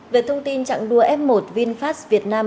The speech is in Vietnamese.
về thông tin trạng đua f một vinfast việt nam